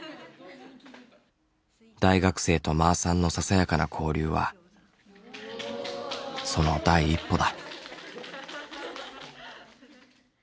大学生とまーさんのささやかな交流はその第一歩だ。